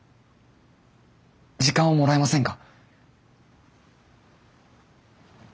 時間をもらえませんか？